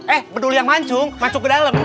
eh bedul yang mancung masuk ke dalam